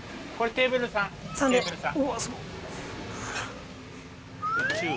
「テーブルさん！」